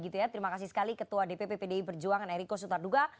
terima kasih sekali ketua dpp pdi perjuangan eriko sutarduga